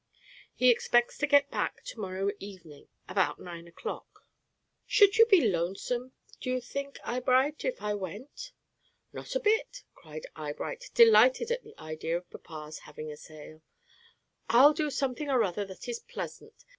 He expects to get back to morrow evening about nine o'clock. Should you be lonesome, do you think, Eyebright, if I went?" "Not a bit," cried Eyebright, delighted at the idea of papa's having a sail. "I'll do something or other that is pleasant.